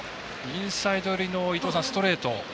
インサイド寄りのストレート。